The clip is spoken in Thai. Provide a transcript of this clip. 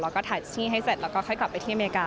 แล้วก็ถ่ายที่ให้เสร็จแล้วก็ค่อยกลับไปที่อเมริกา